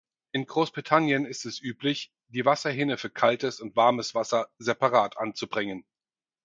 In Großbritannien ist es üblich, die Wasserhähne für kaltes und warmes Wasser separat anzubringen.